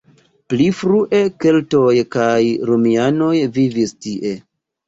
Pli frue keltoj kaj romianoj vivis tie.